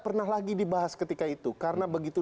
pernah lagi dibahas ketika itu karena begitu